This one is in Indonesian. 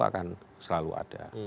akan selalu ada